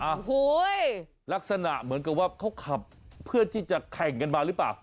โอ้โหลักษณะเหมือนกับว่าเขาขับเพื่อที่จะแข่งกันมาหรือเปล่า